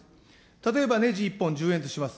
例えばねじ１本１０円とします。